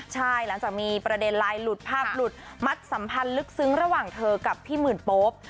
ใช่หลังจากมีประเด็นไลน์หลุดภาพหลุดมัดสัมพันธ์ลึกซึ้งระหว่างเธอกับพี่หมื่นโป๊ป